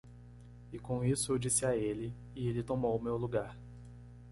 E com isso eu disse a ele? e ele tomou o meu lugar.